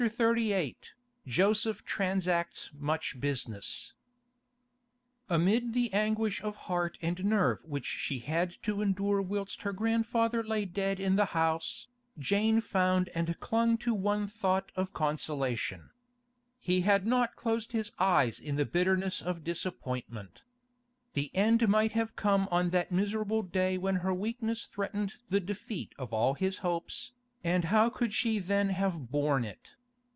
CHAPTER XXXVIII JOSEPH TRANSACTS MUCH BUSINESS Amid the anguish of heart and nerve which she had to endure whilst her grandfather lay dead in the house, Jane found and clung to one thought of consolation. He had not closed his eyes in the bitterness of disappointment. The end might have come on that miserable day when her weakness threatened the defeat of all his hopes, and how could she then have borne it?